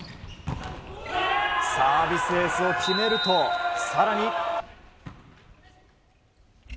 サービスエースを決めると更に。